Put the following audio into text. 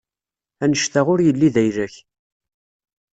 Annect-a ur yelli d ayla-k.